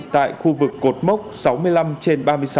tại khu vực cột mốc sáu mươi năm trên ba mươi sáu